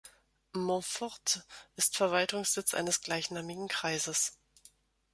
Monforte ist Verwaltungssitz eines gleichnamigen Kreises.